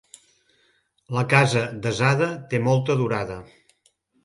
Casa desada té molta durada.